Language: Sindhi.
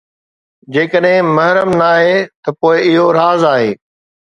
جيڪڏهن محرم ناهي ته پوءِ اهو راز آهي